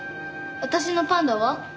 私のパンダは？